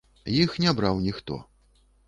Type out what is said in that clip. Іх не браў ніхто.